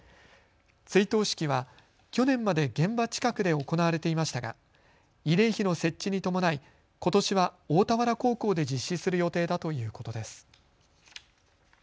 追悼式は去年まで現場近くで行われていましたが慰霊碑の設置に伴いことしは大田原高校で実施する予定だということです。